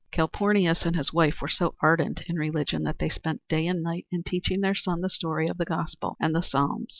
Calpornius and his wife were so ardent in religion that they spent day and night in teaching their son the story of the gospel and the psalms.